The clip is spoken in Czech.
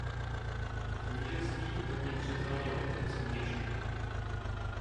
Knížectví za něj převzal jeho otec Měšek.